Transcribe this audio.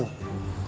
bukan mau buat rusuh